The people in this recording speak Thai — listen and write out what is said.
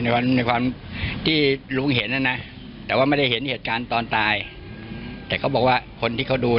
เป็นไปความที่ลุงเห็น